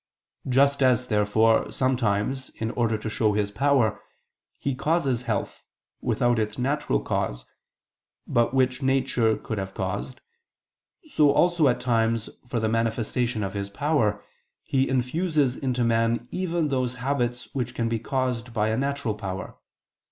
Just as, therefore, sometimes, in order to show His power, He causes health, without its natural cause, but which nature could have caused, so also, at times, for the manifestation of His power, He infuses into man even those habits which can be caused by a natural power.